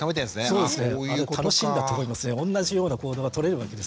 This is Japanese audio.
そうですね。